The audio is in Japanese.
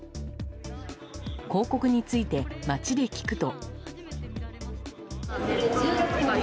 広告について街で聞くと。